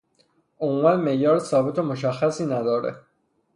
عموما معیار ثابتی و مشخصی نداره